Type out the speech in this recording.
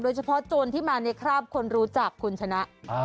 โดยเฉพาะโจรที่มาในคราบคนรู้จักคุณชนะ